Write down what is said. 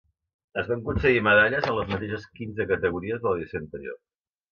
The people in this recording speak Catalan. Es van concedir medalles en les mateixes quinze categories de l'edició anterior.